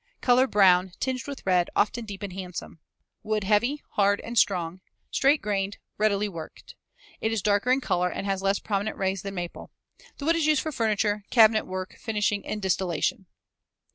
Color brown, tinged with red, often deep and handsome. Wood heavy, hard, and strong, straight grained, readily worked. Is darker in color and has less prominent rays than maple. The wood is used for furniture, cabinet work, finishing, and distillation.